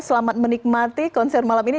selamat menikmati konser malam ini